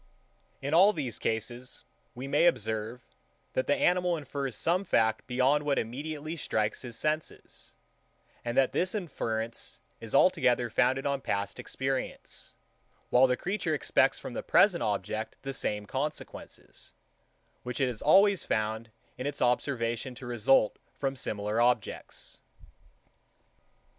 In all these cases, we may observe, that the animal infers some fact beyond what immediately strikes his senses; and that this inference is altogether founded on past experience, while the creature expects from the present object the same consequences, which it has always found in its observation to result from similar objects.